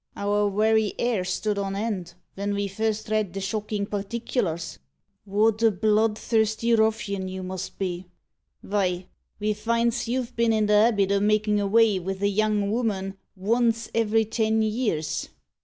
Our werry 'air stood on end ven ve first read the shockin' particulars. What a bloodthirsty ruffian you must be! Vy, ve finds you've been i' the habit o' makin' avay with a young ooman vonce every ten years.